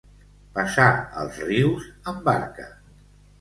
Passar els rius amb barca.